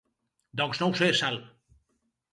Doncs no ho sé, Sal.